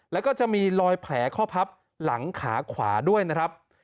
แล้วก็จะมีรอยแผลข้อพับหลังขาขวาด้วยนะครับ